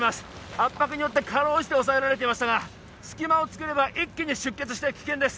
圧迫によってかろうじておさえられていましたが隙間をつくれば一気に出血して危険です